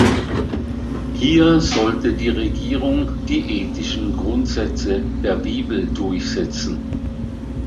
Hier sollte die Regierung die ethischen Grundsätze der Bibel durchsetzen.